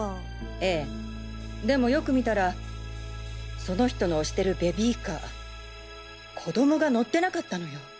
ええでもよく見たらその人の押してるベビーカー子供が乗ってなかったのよ。